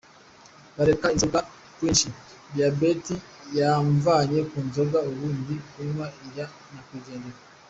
Bareka inzoga kwinshi "Diyabeti yamvanye ku nzoga ubu ndi kunywa iya nyakwigendera!